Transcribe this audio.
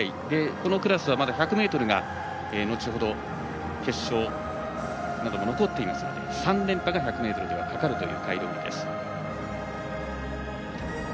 このクラスは１００ｍが後ほど決勝なども残っていますので３連覇、１００ｍがかかっているカイローニ。